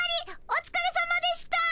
おつかれさまでした。